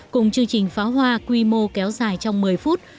cùng chương trình pháo hoa quy mô kéo dài trong một mươi phút